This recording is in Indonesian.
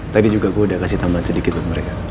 tadi juga gue udah kasih tambahan sedikit buat mereka